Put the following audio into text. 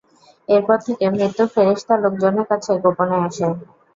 এরপর থেকে মৃত্যুর ফেরেশতা লোকজনের কাছে গোপনে আসেন।